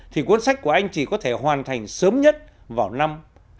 thì cuốn sách của anh chỉ có thể hoàn thành sớm nhất vào năm hai nghìn một mươi tám